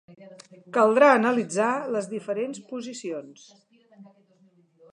Caldrà analitzar les diferents posicions.